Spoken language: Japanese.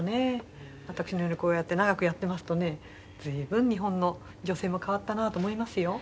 私のようにこうやって長くやっていますとね随分日本の女性も変わったなと思いますよ。